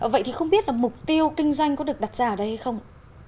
vậy thì không biết là mục tiêu kinh doanh có được đặt ra ở đây hay không